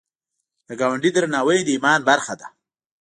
د ګاونډي درناوی د ایمان برخه ده